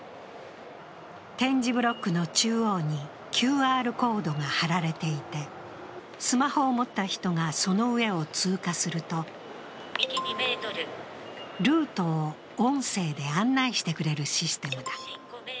点字ブロックの中央にＱＲコードが貼られていてスマホを持った人がその上を通過すると、ルートを音声で案内してくれるシステムだ。